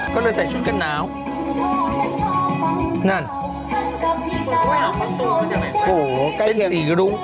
ก็เลยแต่ชุดกันหนาวนั่นโหใกล้เคียงเป็นสีรุ้ง